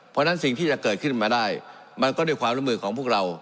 เพราะฉะนั้นสิ่งที่จะเกิดขึ้นมาได้มันก็ด้วยความร่วมมือของพวกเรา